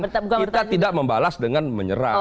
kita tidak membalas dengan menyerang